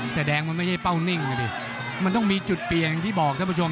แต่แดงมันไม่ใช่เป้านิ่งนะดิมันต้องมีจุดเปลี่ยนอย่างที่บอกท่านผู้ชม